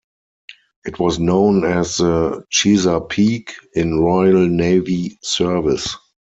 It was known as the Chesapeake in Royal Navy service.